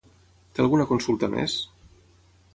Té alguna consulta més?